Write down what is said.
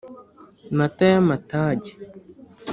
Mata y’amatage.